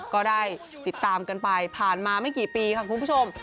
ก็ได้ติดตามกันไปผ่านมาไม่กี่ปีค่ะคุณผู้ชม